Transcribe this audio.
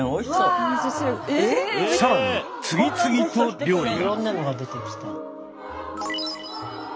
更に次々と料理が。